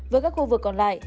với các khu vực còn lại